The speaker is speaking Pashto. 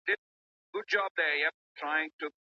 په قلم خط لیکل د خپل ځان سره د خبرو کولو یو ډول دی.